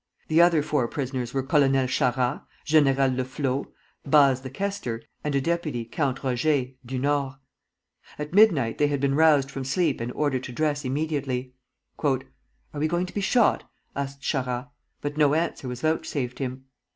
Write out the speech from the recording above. The other four prisoners were Colonel Charras, General Le Flô, Baze the quoestor, and a deputy, Count Roger (du Nord). At midnight they had been roused from sleep and ordered to dress immediately. "Are we going to be shot?" asked Charras, but no answer was vouchsafed him.